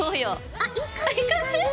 あいい感じ！いい感じ？